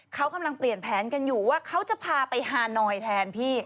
เขากำลังเปลี่ยนแผนกันอยู่ว่าเขาจะพาไปฮานอยแทนพี่